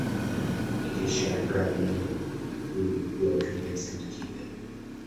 It is Jacques Revaux who will convince him to keep it.